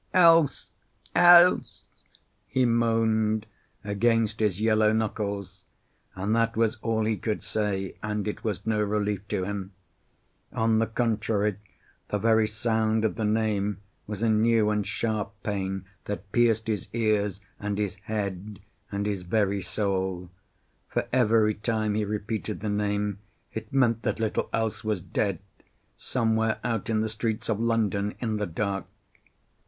"Else! Else!" he moaned against his yellow knuckles. And that was all he could say, and it was no relief to him. On the contrary, the very sound of the name was a new and sharp pain that pierced his ears and his head and his very soul. For every time he repeated the name it meant that little Else was dead, somewhere out in the streets of London in the dark.